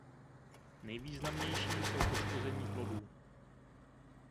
Nejvýznamnější jsou poškození plodů.